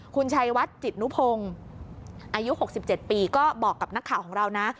คุณชัยวัดจิตนุพงศ์อายุ๖๗ปีก็บอกกับนักข่าวของเรานะ